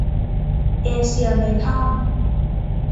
เอเซีย เมทัล